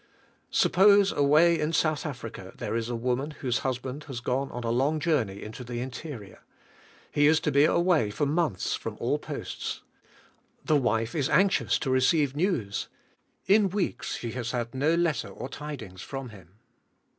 Suppose away in South Africa there is a woman whose husband has gone on a long journey into the interior. He is to be away for months from all posts. The wife is anx ious to receive news. In weeks she has had no letter or tidings from him.